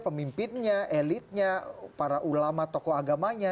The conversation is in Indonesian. pemimpinnya elitnya para ulama tokoh agamanya